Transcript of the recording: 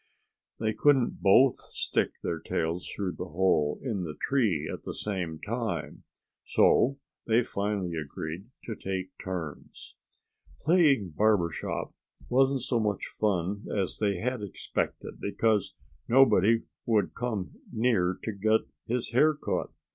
They couldn't both stick their tails through the hole in the tree at the same time. So they finally agreed to take turns. Playing barber shop wasn't so much fun as they had expected, because nobody would come near to get his hair cut.